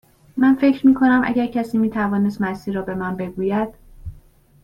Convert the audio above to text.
من فکر می کنم اگر کسی می توانست مسیر را به من بگوید.